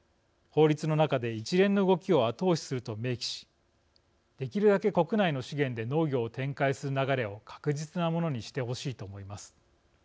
法律の中で一連の動きを後押しすると明記しできるだけ国内の資源で農業を展開する流れを確実なものにしてほしいと思います。